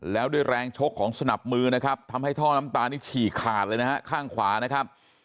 แล้วด้วยแรงชกของสนับมือนะครับทำให้ท่อน้ำตานี่ฉี่ขาดเลยนะฮะข้างขวานะครับ